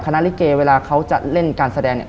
ลิเกเวลาเขาจะเล่นการแสดงเนี่ย